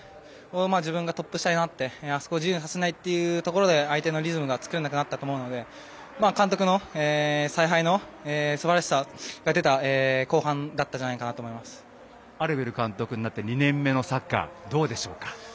自分がトップ下になって自由にさせないところで相手のリズムが作れなくなったと思うので監督の采配のすばらしさが出た後半だったんじゃないかなとアルベル監督になって２年目のサッカー、どうですか。